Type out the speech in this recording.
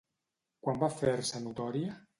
Quan va fer-se notòria?